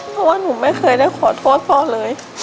เพราะว่าหนูไม่เคยได้ขอโทษพ่อเลย